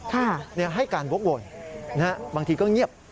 ให้การวกวนบางทีก็เงียบ